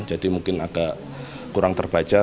jadi mungkin agak kurang terbaca